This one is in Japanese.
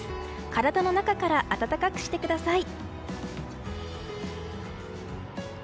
体の中から暖かくしてください。